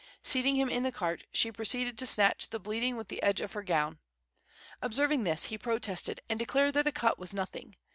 Seating him on the cart, she proceeded to stanch the bleeding with the edge of her gown. Observing this, he protested, and declared that the cut was nothing.